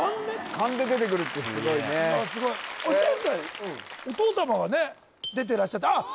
勘で出てくるってすごいね前回お父様がね出てらっしゃってあっ！